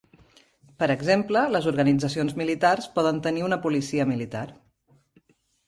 Per exemple, les organitzacions militars poden tenir una policia militar.